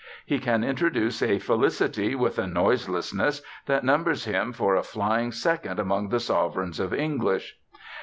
He can introduce a felicity with a noiselessness that numbers him for a flying second among the sovereigns of English.